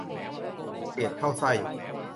เกลียดเข้าไส้